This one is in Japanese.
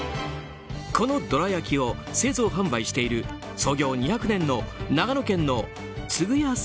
このどら焼きを製造・販売している創業２００年の長野県の津具屋